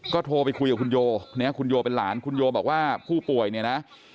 ก็โทรไปคุยกับคุณโยเนี่ยคุณโยเป็นหลานคุณโยบอกว่าผู้ป่วยเนี่ยนะ